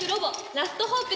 ラストホーク！